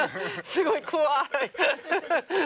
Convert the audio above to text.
すごい怖い。